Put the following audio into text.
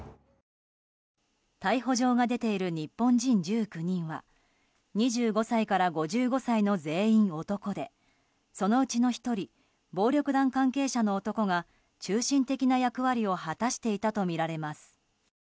逮捕状が出ている日本人１９人は２５歳から５５歳の全員男でそのうちの１人暴力団関係者の男が中心的な役割を果たしていたとみられます。